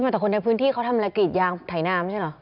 แต่คนในพื้นที่เขาทำลักษณ์ยางไถน้ำใช่เหรอ